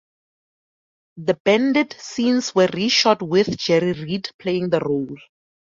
The Bandit scenes were re-shot with Jerry Reed playing the role.